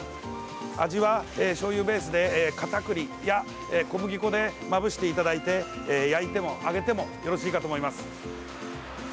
味は、しょうゆベースでかたくりや小麦粉でまぶしていただいて焼いても、揚げてもよろしいかと思います。